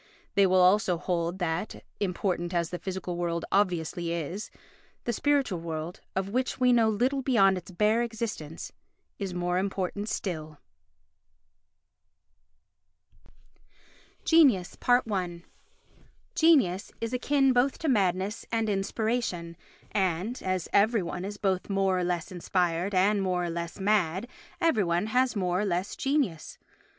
They will also hold that, important as the physical world obviously is, the spiritual world, of which we know little beyond its bare existence, is more important still. Genius i Genius is akin both to madness and inspiration and, as every one is both more or less inspired and more or less mad, every one has more or less genius.